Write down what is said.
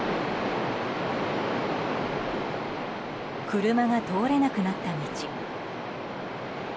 車が通れなくなった道。